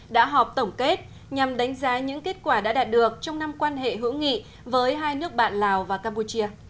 đã họp tổng kết nhằm đánh giá những kết quả đã đạt được trong năm quan hệ hữu nghị với hai nước bạn lào và campuchia